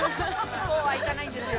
◆そうはいかないんですよ。